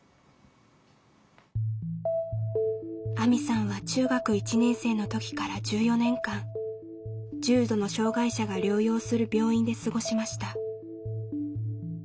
あみさんは中学１年生の時から１４年間重度の障害者が療養する病院で過ごしました。